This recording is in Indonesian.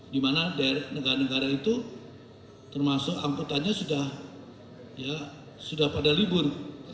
dimana daerah negara negara itu termasuk angkutannya sudah ya sudah pada libur